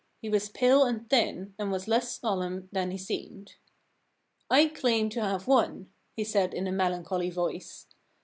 He was pale and thin, and was less solemn than he seemed. * I claim to have won,' he said in a melan choly voice.